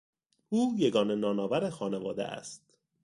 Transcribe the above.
او یگانه نانآور خانواده است.